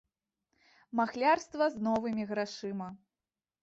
Махлярства з новымі грашыма.